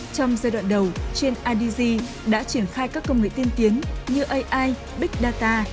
trong giai đoạn đầu trên idg đã triển khai các công nghệ tiên tiến như ai big data